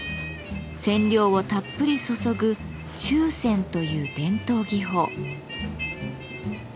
染料をたっぷり注ぐ「注染」という伝統技法。